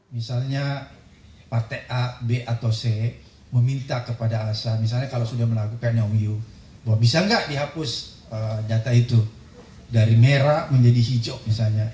misalnya partai a b atau c meminta kepada asa misalnya kalau sudah melakukan yang you bahwa bisa nggak dihapus data itu dari merah menjadi hijau misalnya